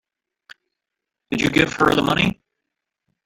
Did you give her the money?